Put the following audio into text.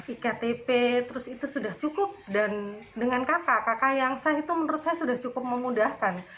iktp terus itu sudah cukup dan dengan kakak kakak yang sah itu menurut saya sudah cukup memudahkan